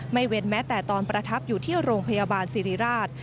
เว้นแม้แต่ตอนประทับอยู่ที่โรงพยาบาลสิริราช